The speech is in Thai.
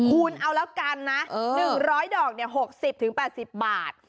คุณเอาแล้วกันนะ๑๐๐ดอก๖๐๘๐บาท